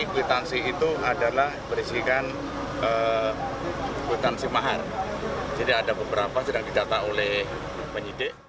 kwitansi itu adalah berisikan kwitansi mahar jadi ada beberapa sedang didata oleh penyidik